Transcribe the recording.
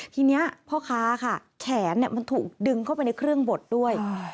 ทีนี้พ่อค้าค่ะแขนมันถูกดึงเข้าไปในเครื่องบดด้วย